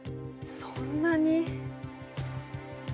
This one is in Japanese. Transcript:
そんなに。